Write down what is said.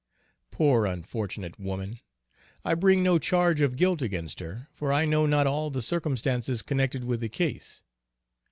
Poor unfortunate woman, I bring no charge of guilt against her, for I know not all the circumstances connected with the case.